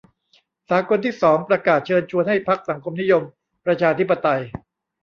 สากลที่สองประกาศเชิญชวนให้พรรคสังคมนิยมประชาธิปไตย